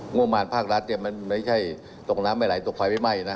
งบมารภาครัฐเนี่ยมันไม่ใช่ตกน้ำไม่ไหลตกไฟไม่ไหม้นะ